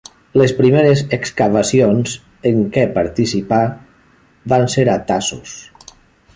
Les primeres excavacions en què participà van ser a Tassos.